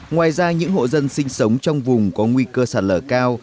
ngoài ra những hộ dân sinh sống trong vùng có nguy cơ sạt lở cao